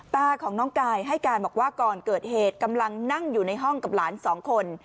ตาของน้องกายให้การบอกว่าก่อนเกิดเหตุกำลังนั่งอยู่ในห้องกับหลานสองคน